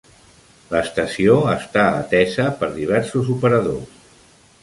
L'estació està atesa per diversos operadors.